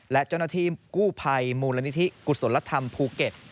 และเจ้าหน้าธีกู้ภัยมูลนงที่กุศลธรรมภูกเกษ